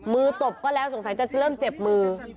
ตบก็แล้วสงสัยจะเริ่มเจ็บมือ